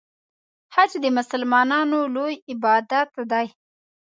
حج د مسلمانانو لوی عبادت دی.